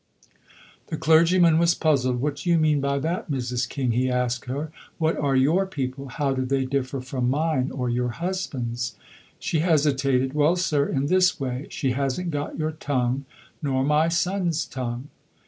The clergyman was puzzled. "What do you mean by that, Mrs. King?" he asked her. "What are your people? How do they differ from mine, or your husband's?" She hesitated. "Well, sir, in this way. She hasn't got your tongue, nor my son's tongue."